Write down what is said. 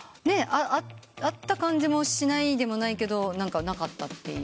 あった感じもしないでもないけどなかったっていうね。